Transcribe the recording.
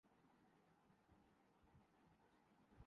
Rafael Nadal نے گیارہویں مرتبہ بارسلونا اوپن کا ٹائٹل جیت لیا